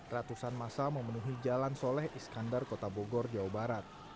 ratusan masa memenuhi jalan soleh iskandar kota bogor jawa barat